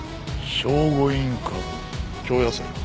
聖護院かぶ京野菜だな。